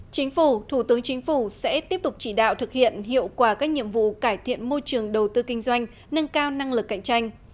chính phủ thủ tướng chính phủ sẽ tiếp tục chỉ đạo thực hiện hiệu quả các nhiệm vụ cải thiện môi trường đầu tư kinh doanh nâng cao năng lực cạnh tranh